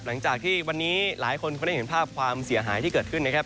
หลังจากที่วันนี้หลายคนคงได้เห็นภาพความเสียหายที่เกิดขึ้นนะครับ